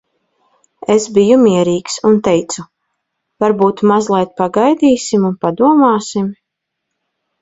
Es biju mierīgs. Un teicu, "Varbūt mazliet pagaidīsim un padomāsim?